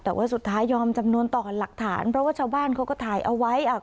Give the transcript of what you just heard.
แต่ว่าสุดท้ายยอมจำนวนต่อหลักฐานเพราะว่าชาวบ้านเขาก็ถ่ายเอาไว้อ่า